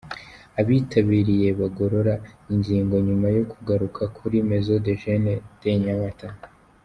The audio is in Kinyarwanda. Abitabiriye bagorora ingingo nyuma yo kugaruka kuri Maison de Jeunes de Nyamata.